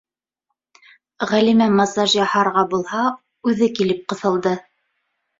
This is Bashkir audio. Ғәлимә массаж яһарға булһа, үҙе килеп ҡыҫылды: